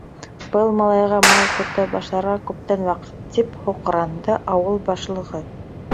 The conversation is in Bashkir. — Был малайға мал көтә башларға күптән ваҡыт, — тип һуҡранды ауыл башлығы.